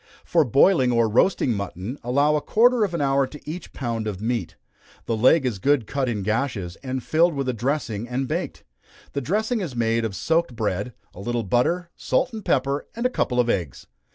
For boiling or roasting mutton, allow a quarter of an hour to each pound of meat. The leg is good cut in gashes, and filled with a dressing, and baked. The dressing is made of soaked bread, a little butter, salt, and pepper, and a couple of eggs.